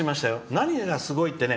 何がすごいってね